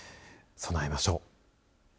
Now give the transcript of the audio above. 備えましょう。